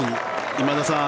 今田さん